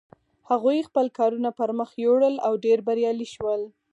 هغوی خپل کارونه پر مخ یوړل او ډېر بریالي شول.